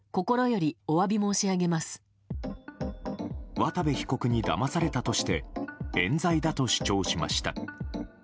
渡部被告にだまされたとして冤罪だと主張しました。